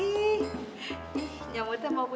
ih nyomot teh mau pergi